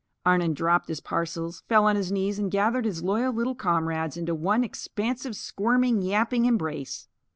Arnon dropped his parcels, fell on his knees and gathered his loyal little comrades into one expansive, squirming, yapping embrace.